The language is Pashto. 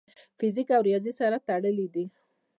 فزیک او ریاضي سره تړلي دي.